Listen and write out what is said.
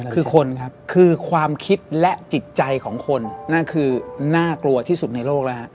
คือคนครับคือความคิดและจิตใจของคนนั่นคือน่ากลัวที่สุดในโลกแล้วฮะ